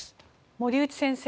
森内先生